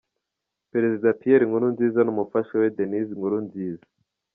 Perezida Pierre Nkurunziza n’umufasha we Denise Nkurunziza.